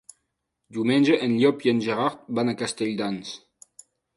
Diumenge en Llop i en Gerard van a Castelldans.